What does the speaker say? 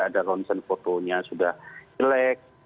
ada ronsen fotonya sudah jelek